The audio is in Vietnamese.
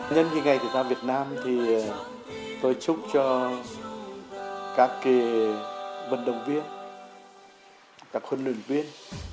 nhân ngày thể thao việt nam thì tôi chúc cho các vận động viên các hỗn luyện viên